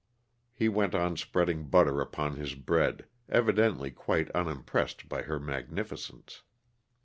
He went on spreading butter upon his bread, evidently quite unimpressed by her magnificence.